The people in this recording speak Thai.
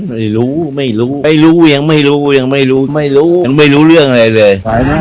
ไม่รู้ไม่รู้ไม่รู้ยังไม่รู้ยังไม่รู้เรื่องอะไรเลย